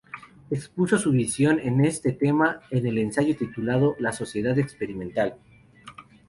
Expuso su visión de este tema en el ensayo titulado "La Sociedad Experimental".